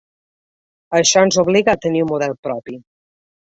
Això ens obliga a tenir un model propi.